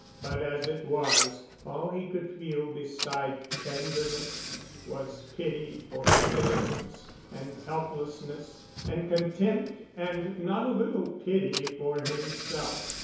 But as it was, all he could feel beside tenderness was pity for her innocence and helplessness, and contempt and not a little pity for himself.